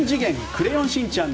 クレヨンしんちゃん